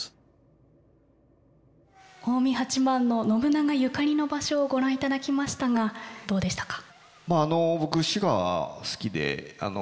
近江八幡の信長ゆかりの場所を御覧いただきましたがどうでしたか？